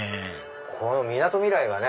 このみなとみらいはね